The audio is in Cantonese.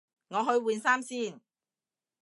我去換衫先